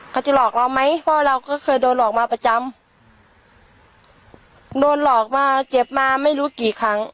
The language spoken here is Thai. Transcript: เขาจะหลอกเราไหมพ่อเราก็เคยโดนหลอกมาประจำโดนหลอกมาเจ็บมาไม่รู้กี่ครั้ง